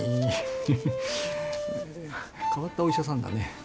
えぇ変わったお医者さんだね。